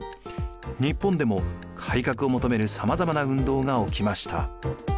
日本でも改革を求めるさまざまな運動が起きました。